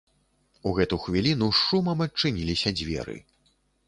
У гэту хвіліну з шумам адчыніліся дзверы.